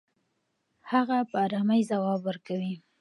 هغه په ارامۍ ځواب ورکوي.